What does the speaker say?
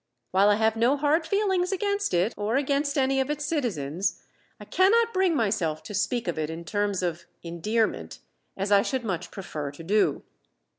While I have no hard feelings against it, or against any of its citizens, I cannot bring myself to speak of it in terms of "endearment," as I should much prefer to do.